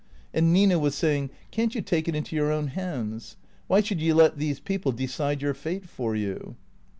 And Nina was saying, " Can't you take it into your own hands? Why should you let these people decide your fate for you